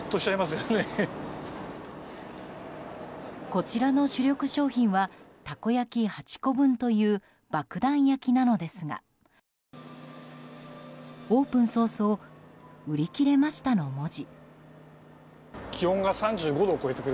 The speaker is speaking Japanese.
こちらの主力商品はたこ焼き８個分というばくだん焼なのですがオープン早々「売り切れました」の文字。